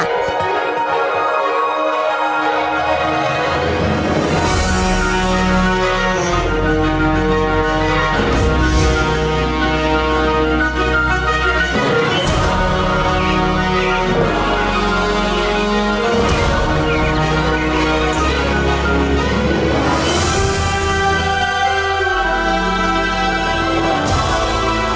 ช่วยด้วย